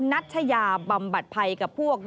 นัชยาบำบัดภัยกับพวก